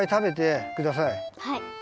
はい。